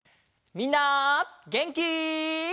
みんなげんき？